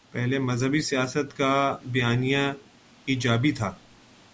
پہلے مذہبی سیاست کا بیانیہ ایجابی تھا۔